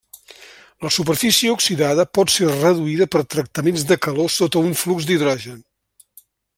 La superfície oxidada pot ser reduïda per tractaments de calor sota un flux d’hidrogen.